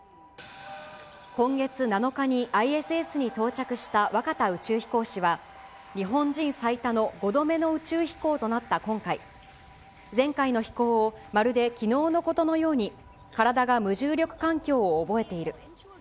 今月７日にＩＳＳに到着した若田宇宙飛行士は、日本人最多の５度目の宇宙飛行となった今回、前回の飛行を、まるできのうのことのように体が無重力環境を覚えている。